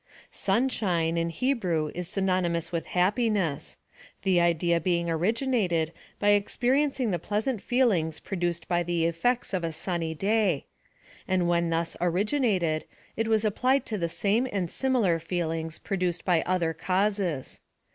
Sunshine, in Hebrew is synonymous with happiness : The idea being origi nated by experiencing the pleasant feelings produced by the effects of a sunny day ; and when thus ori ginated, it was applied to the same and similar feel ings produced by other causes.